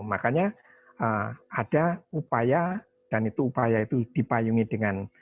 makanya ada upaya dan itu upaya itu dipayungi dengan